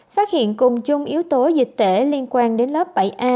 phát hiện cùng chung yếu tố dịch tễ liên quan đến lớp bảy a